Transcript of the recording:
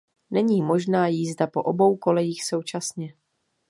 Není možná jízda po obou kolejích současně.